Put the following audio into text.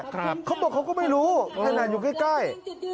เขาบอกเขาก็ไม่รู้ขนาดอยู่ใกล้